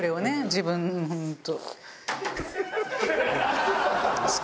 自分本当。